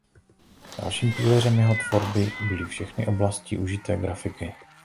Dalším pilířem jeho tvorby byly všechny oblasti užité grafiky.